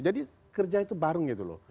jadi kerja itu barang gitu loh